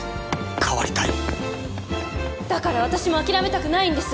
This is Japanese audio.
変わりたいだから私も諦めたくないんです！